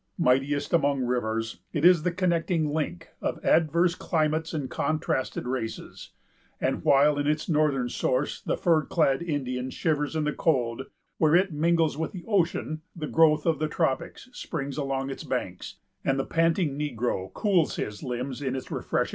Mightiest among rivers, it is the connecting link of adverse climates and contrasted races; and, while at its northern source the fur clad Indian shivers in the cold, where it mingles with the ocean, the growth of the tropics springs along its banks, and the panting negro cools his limbs in its refreshing waters.